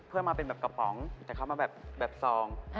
เพื่อมาเป็นแบบกระป๋องแต่เขามาแบบซอง